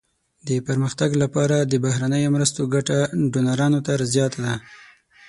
د پرمختګ لپاره د بهرنیو مرستو ګټه ډونرانو ته زیاته ده.